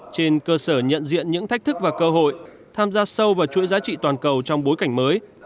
trên cơ sở nhận diện những thách thức và cơ hội tham gia sâu vào chuỗi giá trị toàn cầu trong bối cảnh mới